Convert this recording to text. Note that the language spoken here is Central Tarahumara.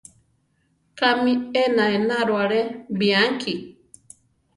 ¿Kámi ena enaro alé bianki?